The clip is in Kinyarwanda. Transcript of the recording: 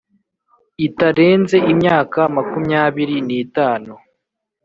itarenze imyaka makumyabiri n itanu